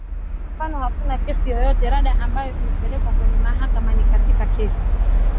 mfano hakuna kesi yeyote ya rada ambayo imepelekwa kwenye mahakama ni katika kesi